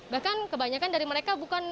bahkan kebanyakan dari mereka bukan